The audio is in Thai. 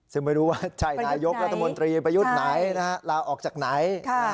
ซึ่งไม่รู้ว่าใช่นายกรัฐมนตรีประยุทธ์ไหนลาออกจากไหน